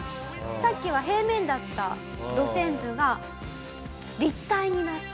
さっきは平面だった路線図が立体になった。